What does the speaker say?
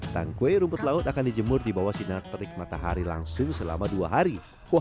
tangkwe rumput laut akan dijemur di bawah sinar terik matahari langsung selama dua hari